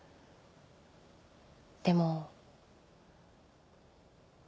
でも。